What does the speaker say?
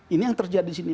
ini yang terjadi di sini